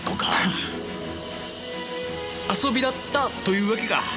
遊びだったというわけか。